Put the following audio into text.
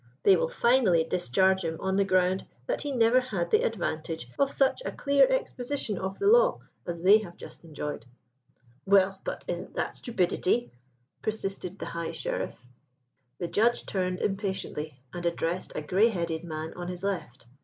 They will finally discharge him on the ground that he never had the advantage of such a clear exposition of the law as they have just enjoyed." "Well, but isn't that stupidity?" persisted the High Sheriff. The Judge turned impatiently and addressed a grey headed man on his left.